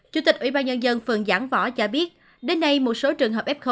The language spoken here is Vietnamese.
chủ tịch ủy ban nhân dân phường giảng võ cho biết đến nay một số trường hợp f